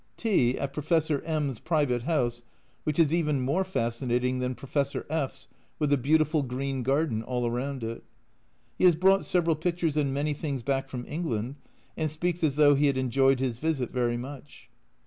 Tea at Professor M *s private house, which is even more fascinating than Professor F V, with a beautiful green garden all round it. He has brought several pictures and many things back from England, and speaks as though he had enjoyed his visit very much.